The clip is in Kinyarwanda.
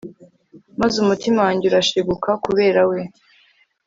maze umutima wanjye urashiguka kubera we